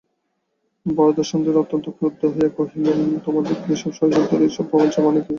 বরদাসুন্দরী অত্যন্ত ক্রুদ্ধ হইয়া কহিলেন, তোমাদের এ-সব ষড়যন্ত্র, এ-সব প্রবঞ্চনার মানে কী?